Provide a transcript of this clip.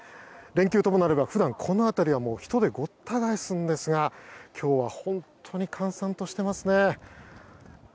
連休ともなれば、普段この辺りは人でごった返すんですが今日は本当に閑散としていますね。